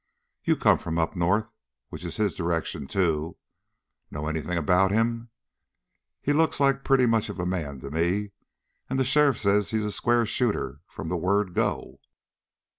"You come from up north, which is his direction, too. Know anything about him? He looks like pretty much of a man to me, and the sheriff says he's a square shooter from the word go."